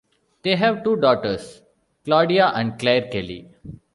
They have two daughters, Claudia and Claire Kelly.